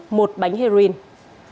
cảm ơn các bạn đã theo dõi và hẹn gặp lại